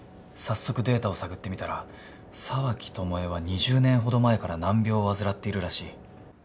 早速データを探ってみたら沢木朝絵は２０年ほど前から難病を患っているらしい。